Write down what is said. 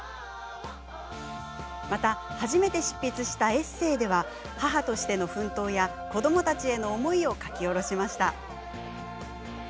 また初めて執筆したエッセーでは母としての奮闘や子どもたちへの思いを書き下ろしました。